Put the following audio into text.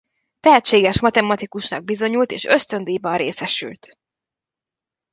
Tehetséges matematikusnak bizonyult és ösztöndíjban részesült.